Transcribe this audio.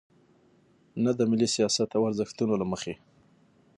نه د ملي سیاست او ارزښتونو له مخې.